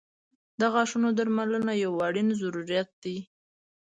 • د غاښونو درملنه یو اړین ضرورت دی.